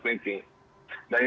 lebih tidak harus ketakutan